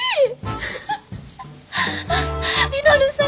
稔さん。